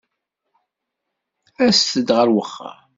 Aset-d ɣer wexxam.